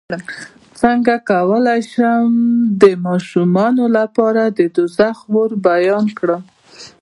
څنګه کولی شم د ماشومانو لپاره د دوزخ اور بیان کړم